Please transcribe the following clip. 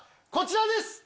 こちらです。